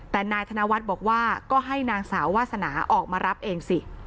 แต่นายธนวัฒน์บอกว่าก็ให้นางสาววาสนาออกมารับเองสิ